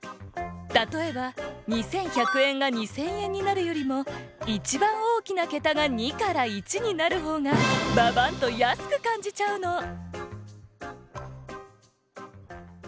たとえば２１００円が２０００円になるよりもいちばんおおきなけたが２から１になるほうがババンとやすくかんじちゃうの。